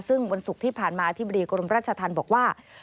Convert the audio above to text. ซึ่งวันศุกร์ที่ผ่านมาอธิบดีกรมราชธรรมบอกว่า